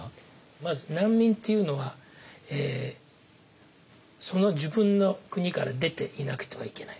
まず難民っていうのはその自分の国から出ていなくてはいけない。